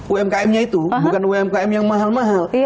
umkmnya itu bukan umkm yang mahal mahal